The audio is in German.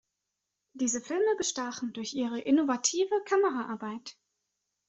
Diese Filme bestachen durch ihre innovative Kameraarbeit.